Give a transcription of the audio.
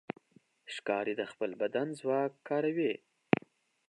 ښکاري د خپل بدن ځواک کاروي.